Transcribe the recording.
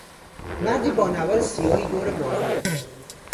مردی با نوار سیاهی دور بازویش